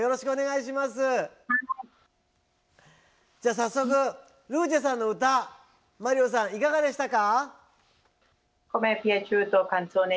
早速ルーチェさんの歌マリオさんいかがでしたか？